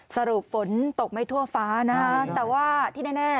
สรุปฝนตกไม่ทั่วฟ้านะฮะแต่ว่าที่แน่